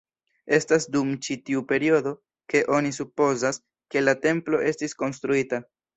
Estas dum ĉi tiu periodo, ke oni supozas, ke la templo estis konstruita.